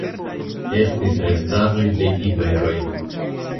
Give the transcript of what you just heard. Estis restaĵoj de iberoj.